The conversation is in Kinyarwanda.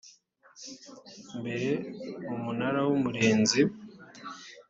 mbere umunara w umurinzi